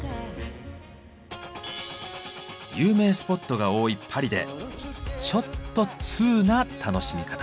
有名スポットが多いパリでちょっとツウな楽しみ方。